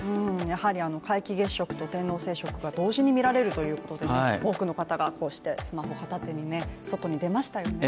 やはり皆既月食と天王星食が同時に見られるということで多くの方がこうしてスマホ片手に外に出ましたよね。